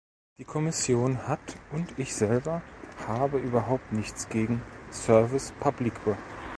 Die Kommission hat und ich selber habe überhaupt nichts gegen service publique .